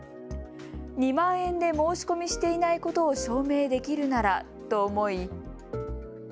２万円で申し込みしていないことを証明できるならと思い。